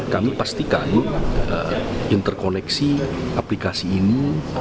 kami pastikan interkoneksi aplikasi ini